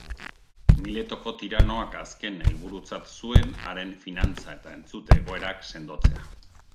Miletoko tiranoak azken helburutzat zuen haren finantza- eta entzute-egoerak sendotzea.